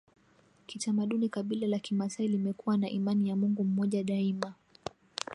Kitamaduni kabila la kimasai limekuwa na imani ya Mungu mmoja daima